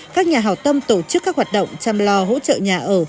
các nhà hào tâm tổ chức các hoạt động chăm lo hỗ trợ nhà ở